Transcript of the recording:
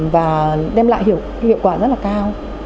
và đem lại hiệu quả rất là cao